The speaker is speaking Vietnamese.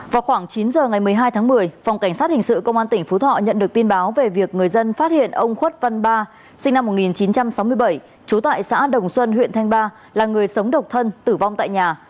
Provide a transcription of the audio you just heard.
vào khoảng chín giờ ngày một mươi hai tháng một mươi phòng cảnh sát hình sự công an tỉnh phú thọ nhận được tin báo về việc người dân phát hiện ông khuất văn ba sinh năm một nghìn chín trăm sáu mươi bảy trú tại xã đồng xuân huyện thanh ba là người sống độc thân tử vong tại nhà